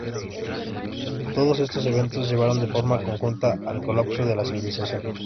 Todos estos eventos llevaron de forma conjunta al colapso de la civilización.